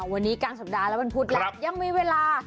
วันนี้กลางสัปดาห์และวันพุธแล้วยังมีเวลา